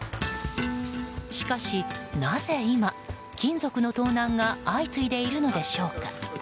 しかし、なぜ今、金属の盗難が相次いでいるのでしょうか。